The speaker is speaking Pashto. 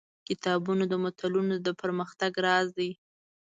کتابونه د ملتونو د پرمختګ راز دي.